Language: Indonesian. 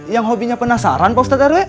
yang hobinya penasaran pak ustaz tkw